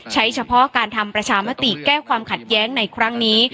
เฉพาะการทำประชามติแก้ความขัดแย้งในครั้งนี้